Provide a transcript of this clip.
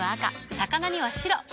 魚には白。